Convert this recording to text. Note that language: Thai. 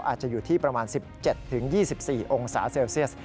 อาจจะอยู่ที่ประมาณ๑๗๒๔องศาเซลเซียส